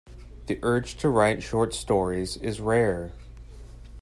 The urge to write short stories is rare.